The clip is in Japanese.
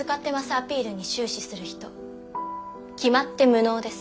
アピールに終始する人決まって無能です。